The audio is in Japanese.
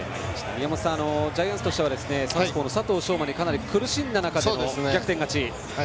宮本さん、ジャイアンツとしてはロッテの佐藤奨真にかなり苦しんだ中での逆転勝ち。